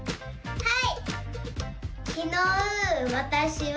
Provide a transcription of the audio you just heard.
はい！